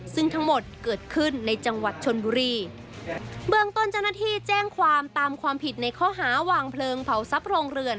ซึ่งทั้งหมดเกิดขึ้นในจังหวัดชนบุรีเบื้องต้นเจ้าหน้าที่แจ้งความตามความผิดในข้อหาวางเพลิงเผาทรัพย์โรงเรือน